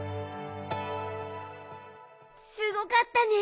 すごかったね。